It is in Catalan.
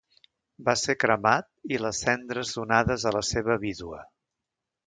Va ser cremat i les cendres donades a la seva vídua.